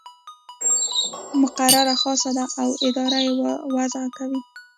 مقرره خاصه ده او اداره یې وضع کوي.